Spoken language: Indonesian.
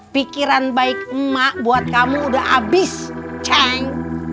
pikiran baik emak buat kamu udah habis ceng